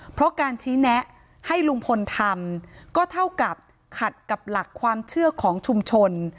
เพราะการชี้แนะให้ลุงพลทำก็เท่ากับขัดกับหลักความเชื่อของชุมชน